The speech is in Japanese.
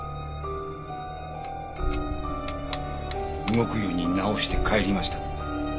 動くように直して帰りました。